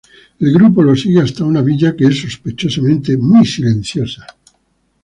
El grupo lo sigue hasta una villa que es sospechosamente muy silenciosa.